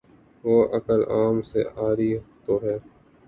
وہ عقل عام سے عاری تو ہے۔